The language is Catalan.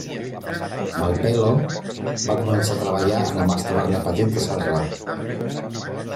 Mal Pelo va començar a treballar al Mas Taverner Petit de Celrà.